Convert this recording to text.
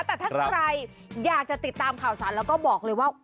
แต่ถ้าใครอยากจะติดตามข่าวสารแล้วก็บอกเลยว่า